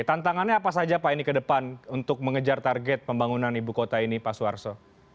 tantangannya apa saja pak ini ke depan untuk mengejar target pembangunan ibu kota ini pak suarso